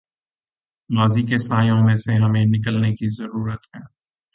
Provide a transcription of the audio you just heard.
ماضی کے سایوں میں سے ہمیں نکلنے کی ضرورت ہے۔